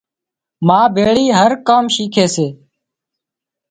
ما ڀيۯي هر ڪام شِيکي سي